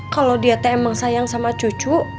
kalau dia teh emang sayang sama cucu